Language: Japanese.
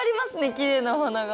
きれいなお花が。